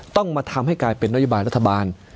ต้องมาทำให้กลายเป็นนโยบายรัฐบาล